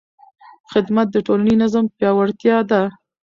خدمت د ټولنیز نظم پیاوړتیا ده.